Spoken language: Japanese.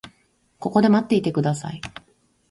ここで待っていてください。